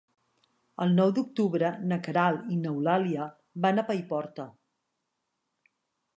El nou d'octubre na Queralt i n'Eulàlia van a Paiporta.